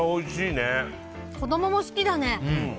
子供も好きだね。